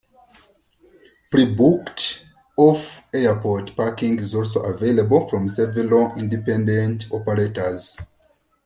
Pre-booked off airport parking is also available from several independent operators.